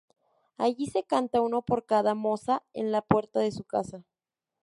Allí se canta uno por cada moza en la puerta de su casa.